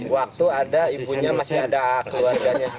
waktu ada ibunya masih ada keluarganya